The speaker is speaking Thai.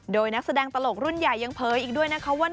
โดยนักแสดงตลกรุ่นใหญ่ยังเผยอีกด้วยนะคะว่า